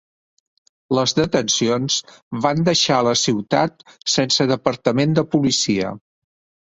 Les detencions van deixar la ciutat sense Departament de policia.